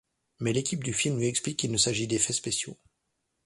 Mais l'équipe du film lui explique qu'il ne s'agit d'effets spéciaux.